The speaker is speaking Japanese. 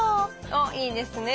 おっいいですね。